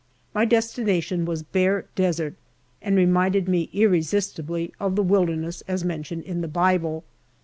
My destination was bare desert, and reminded me irresistibly of the wilderness as mentioned in the Bible.